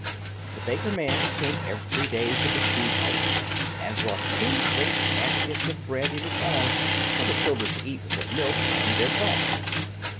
The baker man came every day to the shoe house, and brought two great baskets of bread in his arms for the children to eat with their milk and their broth.